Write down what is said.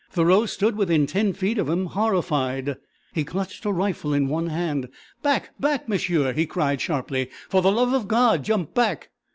Thoreau stood within ten feet of him, horrified. He clutched a rifle in one hand. "Back back, m'sieu!" he cried sharply. "For the love of God, jump back."